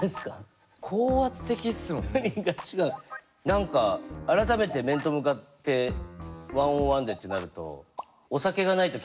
何か改めて面と向かって１ｏｎ１でってなるとなるほど。